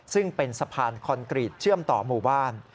ซึ่งเป็นสะพานคอนกรีตเชื่อมต่อหมู่บ้าน